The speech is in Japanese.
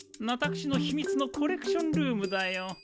私の秘密のコレクションルームだよ。